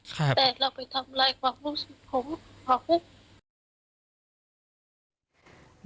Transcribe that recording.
แต่เราไปทำร้ายความรู้สึกของเขา